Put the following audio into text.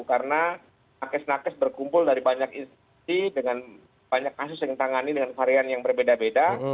karena nakes nakes berkumpul dari banyak istri dengan banyak asus yang ditangani dengan varian yang berbeda beda